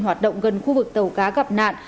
hoạt động gần khu vực tàu cá gặp nạn